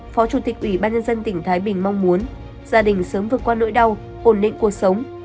phó chủ tịch ubnd tỉnh thái bình mong muốn gia đình sớm vượt qua nỗi đau hồn nịnh cuộc sống